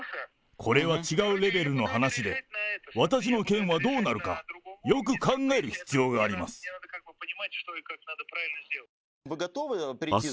これは違うレベルの話で、私の件はどうなるか、よく考える必要があります。